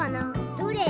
どれ？